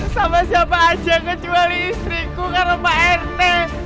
sama siapa aja kecuali istriku karena pak rt